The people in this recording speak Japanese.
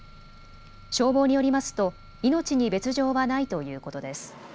消防によりますと命に別状はないということです。